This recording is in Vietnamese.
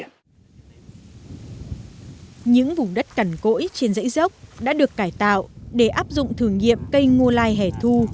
những vùng đất cằn cỗi trên dãy dốc đã được cải tạo để áp dụng thử nghiệm cây ngô lai hẻ thu